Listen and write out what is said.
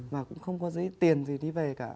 mà cũng không có giấy tiền gì đi về cả